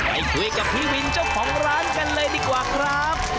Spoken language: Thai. ไปคุยกับพี่วินเจ้าของร้านกันเลยดีกว่าครับ